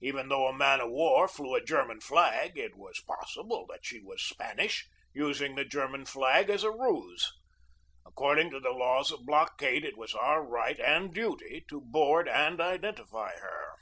Even though a man of war flew a German flag, it was pos sible that she was Spanish, using the German flag as a ruse. According to the laws of blockade it was our right and duty to board and identify her.